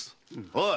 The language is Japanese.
おい！